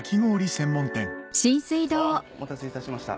専門店お待たせいたしました。